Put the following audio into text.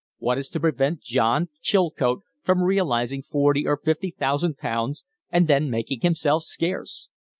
What is to prevent John Chilcote from realizing forty or fifty thousand pounds and then making himself scarce?"